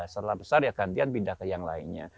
setelah besar ya gantian pindah ke yang lainnya